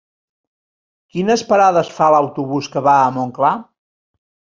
Quines parades fa l'autobús que va a Montclar?